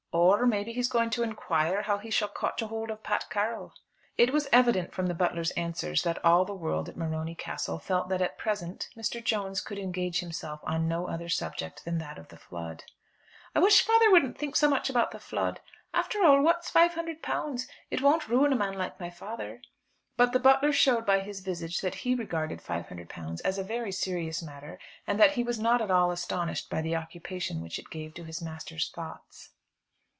"Or maybe he's going to inquire how he shall cotch a hould of Pat Carroll." It was evident, from the butler's answers, that all the world at Morony Castle felt that at present Mr. Jones could engage himself on no other subject than that of the flood. "I wish father wouldn't think so much about the flood. After all, what's £500? It won't ruin a man like my father." But the butler showed by his visage that he regarded £500 as a very serious matter, and that he was not at all astonished by the occupation which it gave to his master's thoughts.